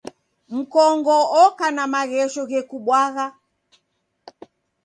Mkongo oka na maghesho ghekubwagha.